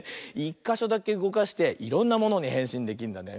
１かしょだけうごかしていろんなものにへんしんできるんだね。